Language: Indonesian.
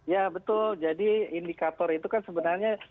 ya betul jadi indikator itu kan sebenarnya